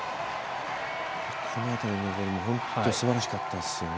この辺りも本当、すばらしかったですね。